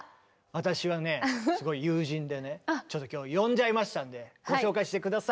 私はねすごい友人でねちょっと今日呼んじゃいましたんでご紹介して下さい。